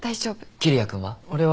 桐矢君は？俺は。